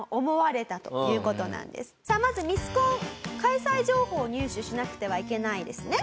さあまずミスコン開催情報を入手しなくてはいけないですね。